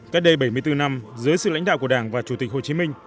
cách đây bảy mươi bốn năm dưới sự lãnh đạo của đảng và chủ tịch hồ chí minh